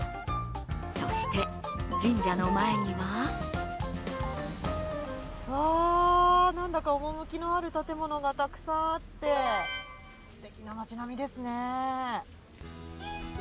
そして、神社の前にはあ、なんだか趣のある建物がたくさんあって、すてきな町並みですね。